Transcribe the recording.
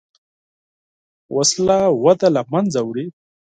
وسله وده له منځه وړي